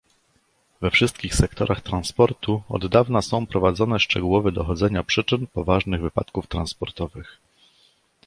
We wszystkich sektorach transportu od dawna są prowadzone szczegółowe dochodzenia przyczyn poważnych wypadków transportowych